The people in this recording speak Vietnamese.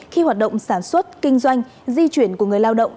khi hoạt động sản xuất kinh doanh di chuyển của người lao động